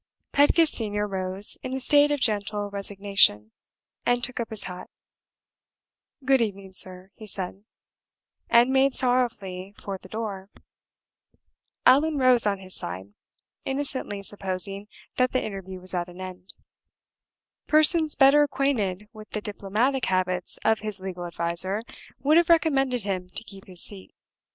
Pedgift Senior rose in a state of gentle resignation, and took up his hat "Good evening, sir," he said, and made sorrowfully for the door. Allan rose on his side, innocently supposing that the interview was at an end. Persons better acquainted with the diplomatic habits of his legal adviser would have recommended him to keep his seat.